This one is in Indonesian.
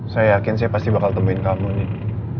saya yakin saya pasti bakal temuin kamu nih